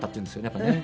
やっぱりね。